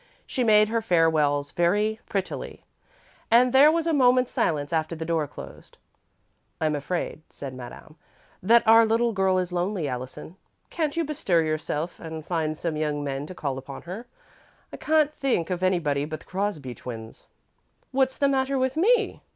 She made her farewells very prettily and there was a moment's silence after the door closed. "I'm afraid," said Madame, "that our little girl is lonely. Allison, can't you bestir yourself and find some young men to call upon her? I can't think of anybody but the Crosby twins." "What's the matter with me?"